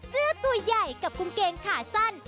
เสื้อตัวใหญ่กับกางเกงขาสั้น